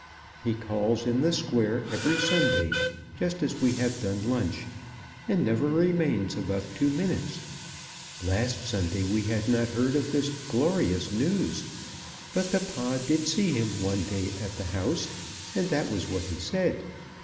He calls in the Square every Sunday just as we have done lunch, and never remains above two minutes. Last Sunday we had not heard of this glorious news; but papa did see him one day at the House, and that was what he said.